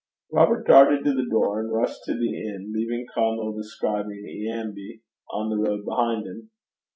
Robert darted to the door, and rushed to the inn, leaving Caumill describing iambi on the road behind him.